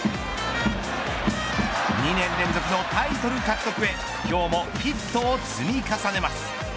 ２年連続のタイトル獲得へ今日もヒットを積み重ねます。